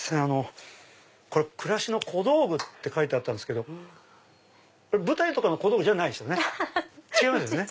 暮らしの小道具って書いてあったんですけど舞台とかの小道具じゃないですよね？